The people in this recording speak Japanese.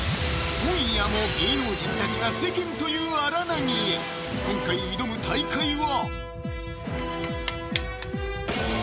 今夜も芸能人たちが世間という荒波へ今回挑む大海は？